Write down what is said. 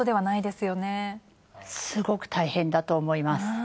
すごく大変だと思います。